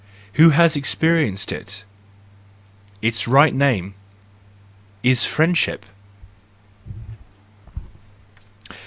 Who has experienced it? Its right name is friendship